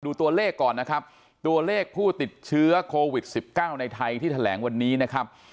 ตัวเลขก่อนนะครับตัวเลขผู้ติดเชื้อโควิด๑๙ในไทยที่แถลงวันนี้นะครับ